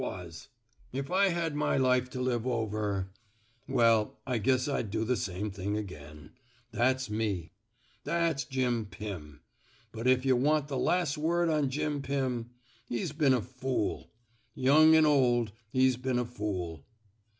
193 ( THE SMOKE EATERS If I had my life to live over — Well, I guess I'd do the same thing again. That's me. That's Jim Pim. But if yuh want the las' word on Jim Pim, he's heen a fool. Young an' old, he's been a fool."